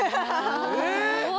え？